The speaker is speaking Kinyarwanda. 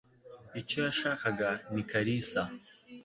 Icyo yashakaga ni Kalisa.